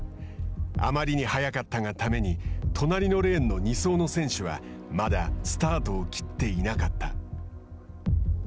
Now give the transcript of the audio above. あまりに速かったがためにとなりのレーンの２走の選手はまだスタートを切っていなかった。